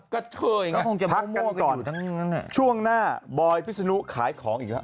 กระเทยไงพักกันก่อนช่วงหน้าบอยพิศนุขายของอีกแล้ว